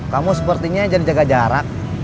kamu sepertinya jadi jaga jarak